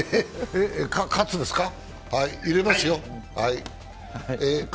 入れますよ。